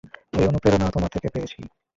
এই অনুপ্রেরণা তোমার থেকে পেয়েছি।